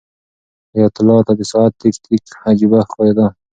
حیات الله ته د ساعت تیک تیک عجیبه ښکارېده.